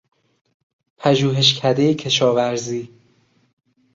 پژوهشکدهی کشاورزی